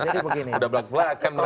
sudah belak belakan mereka soalnya